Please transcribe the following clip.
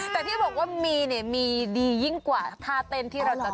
แต่ที่บอกว่ามีเนี่ยมีดียิ่งกว่าท่าเต้นที่เราจะ